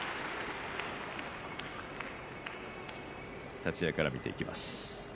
立ち合いから見ていきます。